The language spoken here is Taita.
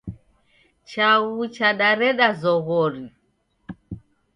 Chaghu chadareda zoghori.